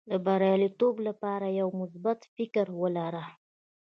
د بریالیتوب لپاره یو مثبت فکر ولره.